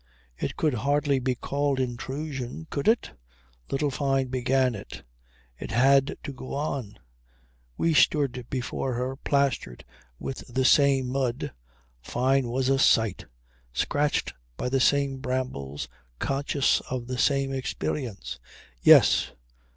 It could hardly be called intrusion could it? Little Fyne began it. It had to go on. We stood before her, plastered with the same mud (Fyne was a sight!), scratched by the same brambles, conscious of the same experience. Yes.